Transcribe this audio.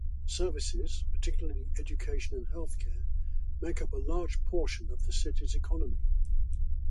Services, particularly education and healthcare make up a large portion of the city's economy.